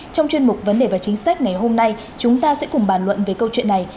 trong chuyên mục vấn đề và chính sách ngày hôm nay chúng ta sẽ cùng bàn luận về câu chuyện này